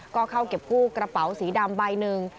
ก็เข้าเก็บกู้กระเป๋าสีดำใบหนึ่ง